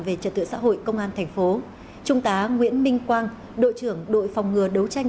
về trật tự xã hội công an thành phố trung tá nguyễn minh quang đội trưởng đội phòng ngừa đấu tranh